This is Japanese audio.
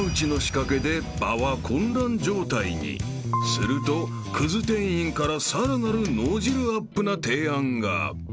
［するとクズ店員からさらなる脳汁アップな提案が］